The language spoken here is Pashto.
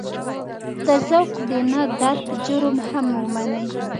د ذوق د نه درک جرم هم ومني.